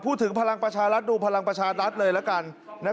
พูดถึงพลังประชารัฐดูพลังประชารัฐเลยแล้วกัน